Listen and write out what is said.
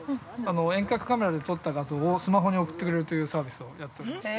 遠隔カメラで撮った画像をスマホに送ってくれるというサービスをやっておりまして。